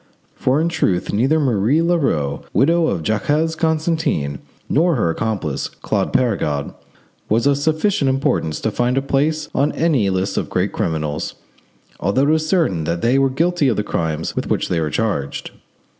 For in truth neither Marie Leroux, widow of Jacques Constantin, nor her accomplice, Claude Perregaud, was of sufficient importance to find a place on any list of great criminals, although it is certain that they were guilty of the crimes with which they were charged.